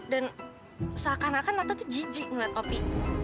dan seakan akan tante tuh jijik ngelihat opi